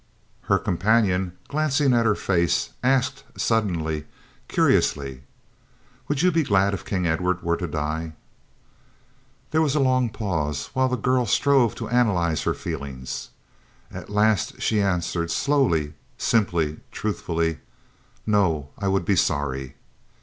Her companion, glancing at her face, asked suddenly, curiously: "Would you be glad if King Edward were to die?" There was a long pause, while the girl strove to analyse her feelings. At last she answered slowly, simply, truthfully: "No; I would be sorry."